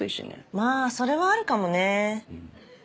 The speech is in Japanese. まぁそれはあるかもね。